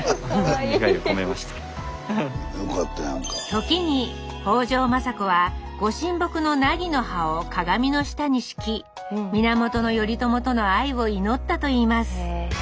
時に北条政子はご神木のナギの葉を鏡の下に敷き源頼朝との愛を祈ったといいます。